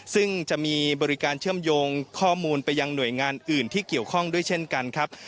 ซึ่งจะมีบริการเชื่อมโยงข้อมูลไปยังหน่วยงานอื่นที่เกี่ยวข้องด้วยเช่นกันครับ